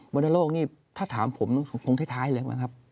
วันทะโรคถ้าถามผมคงท้ายเลย